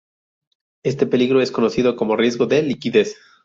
Este peligro es conocido como Riesgo de Liquidez.